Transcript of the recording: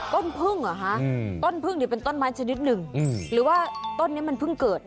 ต้นพึ่งเหรอคะต้นพึ่งเนี่ยเป็นต้นไม้ชนิดหนึ่งหรือว่าต้นนี้มันเพิ่งเกิด